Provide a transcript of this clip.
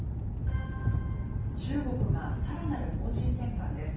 中国がさらなる方針転換です。